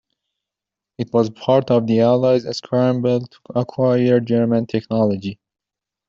It was part of the Allies' scramble to acquire German technology.